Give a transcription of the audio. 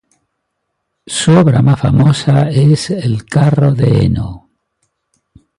Su obra más famosa es "El carro de heno".